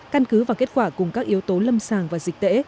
căn cứ và kết quả cùng các yếu tố lâm sàng và dịch tễ